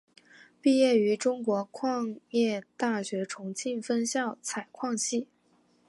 毕业于中国矿业大学重庆分校采矿系。